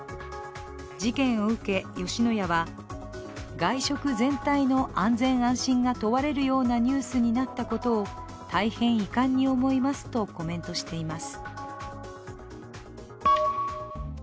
事件を受け吉野家は、外食全体の安全・安心が問われるようなニュースになったことを大変遺憾に思いますとコメントしています。